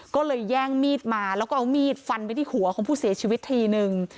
ก็เลยแย่งมีดมาแล้วก็เอามีดฟันไปที่หัวของผู้เสียชีวิตทีนึง